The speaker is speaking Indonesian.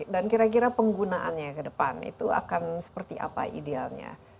dan kira kira penggunaannya ke depan itu akan seperti apa idealnya